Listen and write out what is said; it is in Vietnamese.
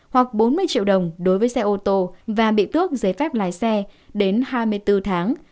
hoặc bốn mươi triệu đồng đối với xe ô tô và bị tước giấy phép lái xe đến hai mươi bốn tháng